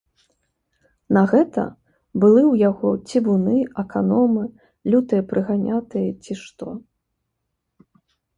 На гэта былы ў яго цівуны, аканомы, лютыя прыганятыя, ці што.